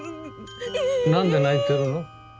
何で泣いてるの？